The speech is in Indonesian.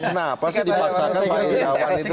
kenapa sih dipaksakan pak iryawan itu